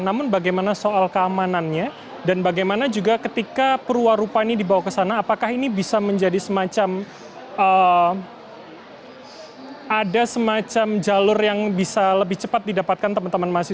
namun bagaimana soal keamanannya dan bagaimana juga ketika perwarupa ini dibawa ke sana apakah ini bisa menjadi semacam ada semacam jalur yang bisa lebih cepat didapatkan teman teman mahasiswa